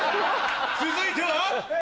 続いては！